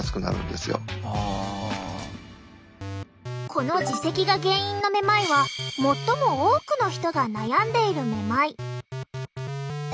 この耳石が原因のめまいは最も多くの人が悩んでいるめまい。